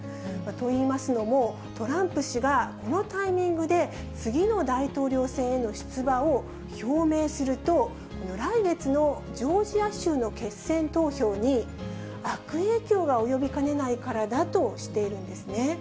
といいますのも、トランプ氏がこのタイミングで次の大統領選への出馬を表明すると、来月のジョージア州の決選投票に悪影響が及びかねないからだとしているんですね。